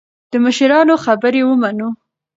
د مشرانو خبرې ومنو.